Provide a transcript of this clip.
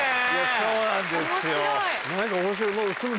そうなんですよ